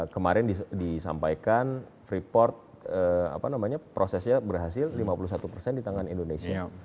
kemarin disampaikan freeport prosesnya berhasil lima puluh satu persen di tangan indonesia